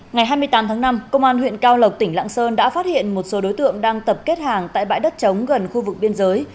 ngày hai mươi tám tháng năm công an huyện cao lộc tỉnh lạng sơn đã phát hiện một số đối tượng đang tập kết hàng tại bãi đất trống gần khu vực biên giới